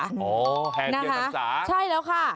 อ๋อแห่เทียนภรรษานะคะใช่แล้วค่ะ